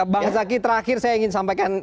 bang zaky terakhir saya ingin sampaikan